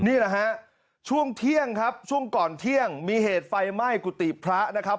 นี่แหละฮะช่วงเที่ยงครับช่วงก่อนเที่ยงมีเหตุไฟไหม้กุฏิพระนะครับ